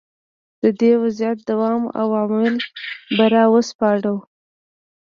د دې وضعیت دوام او عوامل به را وسپړو.